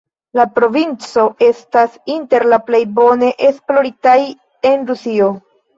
La provinco estas inter la plej bone esploritaj en Rusio.